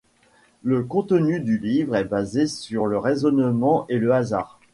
Le contenu du livre est basé sur le raisonnement et le hasard.